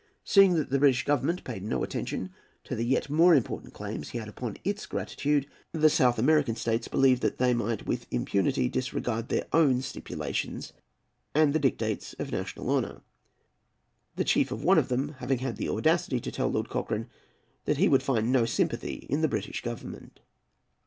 Seeing that the British Government paid no attention to the yet more important claims he had upon its gratitude, the South American States believed that they might with impunity disregard their own stipulations, and the dictates of national honour; the chief of one of them having had the audacity to tell Lord Cochrane that he would find no sympathy in the British Government.